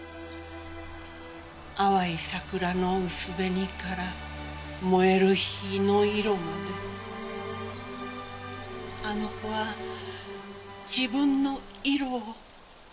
淡い桜の薄紅から燃える火の色まであの子は自分の色を生き抜いた。